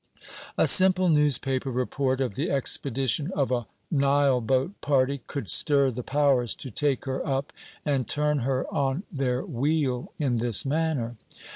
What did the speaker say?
A simple newspaper report of the expedition of a Nileboat party could stir the Powers to take her up and turn her on their wheel in this manner.